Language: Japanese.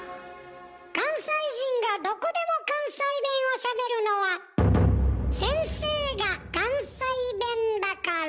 関西人がどこでも関西弁をしゃべるのは先生が関西弁だから。